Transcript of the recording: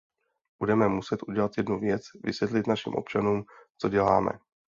Budeme muset udělat jednu věc, vysvětlit našim občanům, co děláme.